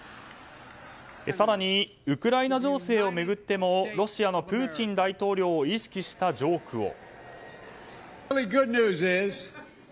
更に、ウクライナ情勢を巡ってもロシアのプーチン大統領を意識したジョークを。